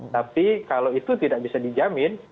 tapi kalau itu tidak bisa dijamin